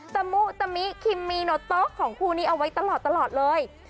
ตะมุตะมิคิมมีโนโต๊ะของคู่นี้เอาไว้ตลอดเลย